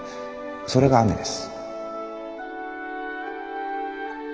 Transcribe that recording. それが雨です。